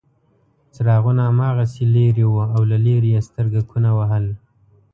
څراغونه هماغسې لرې وو او له لرې یې سترګکونه وهل.